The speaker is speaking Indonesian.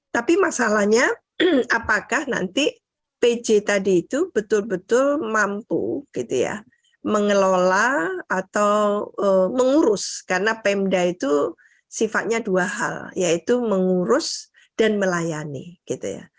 tapi masalahnya apakah nanti pj tadi itu betul betul mampu gitu ya mengelola atau mengurus karena pemda itu sifatnya dua hal yaitu mengurus dan melayani gitu ya